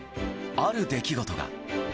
ある出来事が。